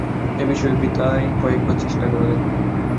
এ বিষয়ে বৃথাই কয়েকবার চেষ্টা করা গেল।